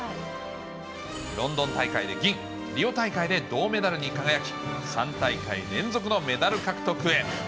ロンドン大会で銀、リオ大会で銅メダルに輝き、３大会連続のメダル獲得へ。